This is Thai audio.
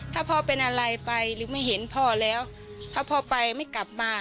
ถ้าพ่อเป็นอะไรไปหรือไม่เห็นพ่อแล้วถ้าพ่อไปไม่กลับมา